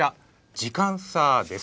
時間差です。